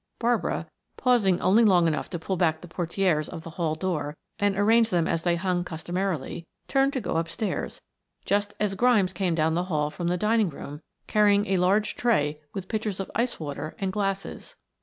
Barbara, pausing only long enough to pull back the portieres of the hall door and arrange them as they hung customarily, turned to go upstairs just as Grimes came down the hall from the dining room carrying a large tray with pitchers of ice water and glasses.